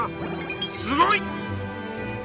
すごい！